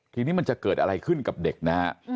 ทีนี้มันจะเกิดอะไรขึ้นกับเด็กนะฮะ